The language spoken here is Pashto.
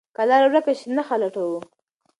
که لاره ورکه شي، نښه لټو.